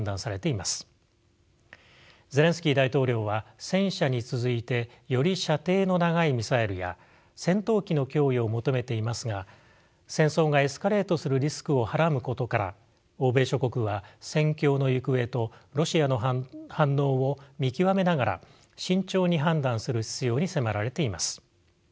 ゼレンスキー大統領は戦車に続いてより射程の長いミサイルや戦闘機の供与を求めていますが戦争がエスカレートするリスクをはらむことから欧米諸国は戦況の行方とロシアの反応を見極めながら慎重に判断する必要に迫られています。